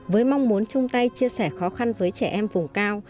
với mong muốn chung tay chia sẻ khó khăn với trẻ em vùng cao